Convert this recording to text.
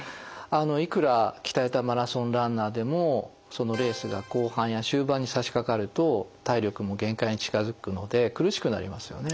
いくら鍛えたマラソンランナーでもそのレースが後半や終盤にさしかかると体力も限界に近づくので苦しくなりますよね。